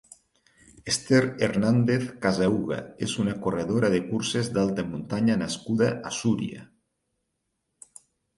Ester Hernández Casahuga és una corredora de curses d'alta muntanya nascuda a Súria.